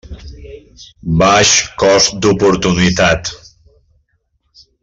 Baix cost d'oportunitat.